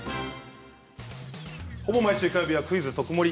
ほぼ毎週火曜日は「クイズとくもり」。